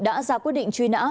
đã ra quyết định truy nã